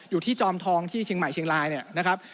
จอมทองที่เชียงใหม่เชียงรายเนี่ยนะครับ